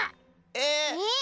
え？